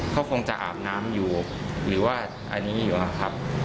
เขาคงจะอาบน้ำอยู่หรือว่าอันนี้อยู่นะครับ